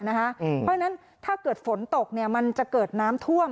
เพราะฉะนั้นถ้าเกิดฝนตกมันจะเกิดน้ำท่วม